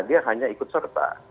dia hanya ikut serta